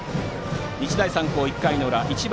日大三高の１回の裏１番